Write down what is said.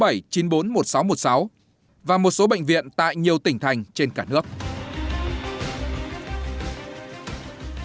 bộ y tế cho biết để sẵn sàng và liên tục tiếp nhận các thông tin